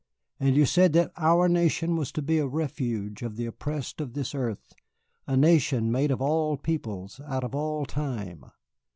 And you said that our nation was to be a refuge of the oppressed of this earth, a nation made of all peoples, out of all time.